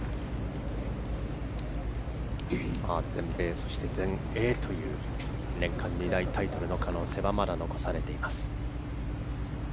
全米、全英という年間２大タイトルの可能性はまだ残されています。